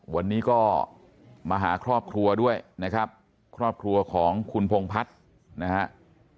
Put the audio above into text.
วันนี้ก็มาหาครอบครัวด้วยนะครับครอบครัวของคุณพงพัฒน์นะครับ